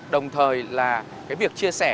đồng thời là cái việc chia sẻ